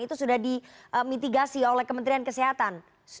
itu sudah dimitigasi oleh kementerian kesehatan